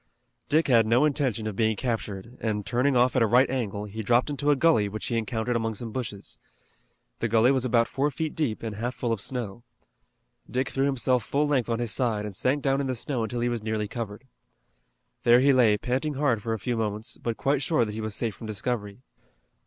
Dick had no intention of being captured, and, turning off at a right angle, he dropped into a gully which he encountered among some bushes. The gully was about four feet deep and half full of snow. Dick threw himself full length on his side, and sank down in the snow until he was nearly covered. There he lay panting hard for a few moments, but quite sure that he was safe from discovery.